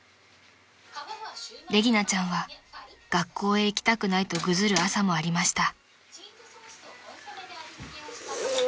［レギナちゃんは学校へ行きたくないとぐずる朝もありました］